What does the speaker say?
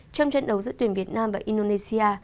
trong trận đấu giữa tuyển việt nam và indonesia